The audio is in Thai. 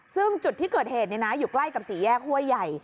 ซึ่งจุดที่เกิดเหตุอยู่ใกล้กับสี่แยกห้วยใหญ่